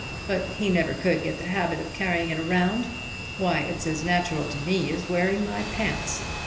But he never could get the habit of carrying it around. Why, it's as natural to me as wearing my pants.